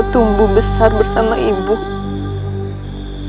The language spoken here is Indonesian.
tidak ada kesalahan